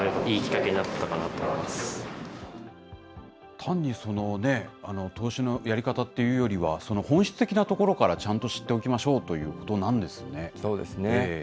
単に投資のやり方っていうよりは、その本質的なところからちゃんと知っておきましょうということなそうですね。